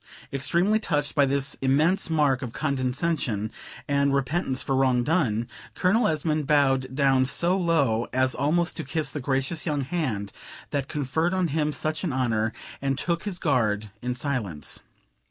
Extremely touched by this immense mark of condescension and repentance for wrong done, Colonel Esmond bowed down so low as almost to kiss the gracious young hand that conferred on him such an honor, and took his guard in silence.